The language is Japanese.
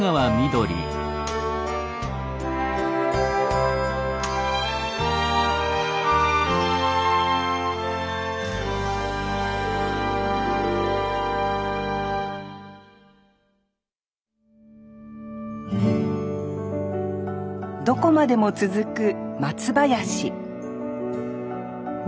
どこまでも続く松林